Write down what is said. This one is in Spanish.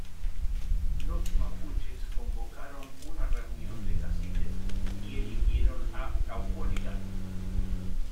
Los mapuches convocaron una reunión de caciques y eligieron a Caupolicán.